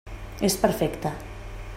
És perfecte.